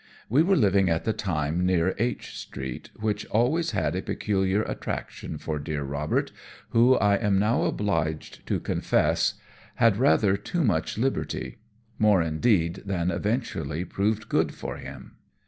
We were living at the time near H Street, which always had a peculiar attraction for dear Robert, who, I am now obliged to confess, had rather too much liberty more, indeed, than eventually proved good for him.